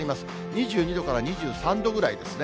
２２度から２３度ぐらいですね。